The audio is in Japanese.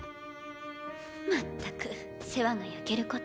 まったく世話が焼けること。